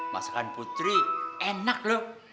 masakan putri enak loh